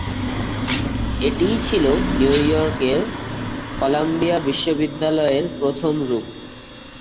এটিই ছিল নিউ ইয়র্কের কলাম্বিয়া বিশ্ববিদ্যালয়ের প্রথম রূপ।